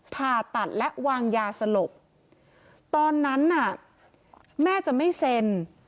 ผ่าตัดและวางยาสลบตอนนั้นน่ะแม่จะไม่เซ็น